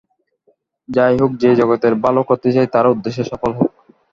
যাই হোক, যে জগতের ভাল করতে চায়, তার উদ্দেশ্য সফল হোক।